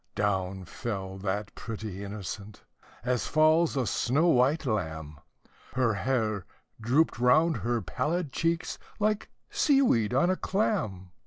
Down fell that pretty innocent, as falls a snow white lamb, Her hair drooped round her pallid cheeks, like sea weed on a clam.